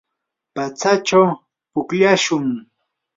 patsachaw pukllashun.